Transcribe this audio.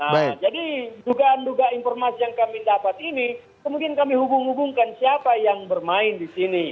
nah jadi dugaan dugaan informasi yang kami dapat ini kemudian kami hubung hubungkan siapa yang bermain di sini